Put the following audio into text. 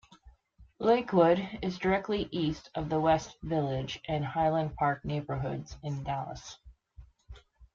Lakewood is directly east of the West Village and Highland Park neighborhoods in Dallas.